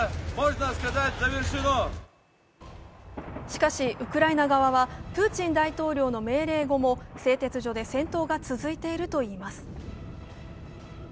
しかし、ウクライナ側はプーチン大統領の命令後も製鉄所で戦闘が続いているといいます。